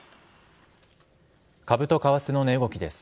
株と為替の値動きです。